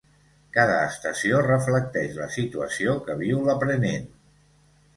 Cada estació reflecteix la situació que viu l'aprenent.